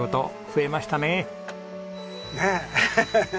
ねえ。